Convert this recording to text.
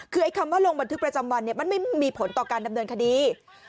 คือไอ้คำว่าลงบันทึกประจำวันเนี่ยมันไม่มีผลต่อการดำเนินคดี